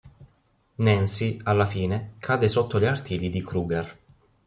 Nancy, alla fine, cade sotto gli artigli di Krueger.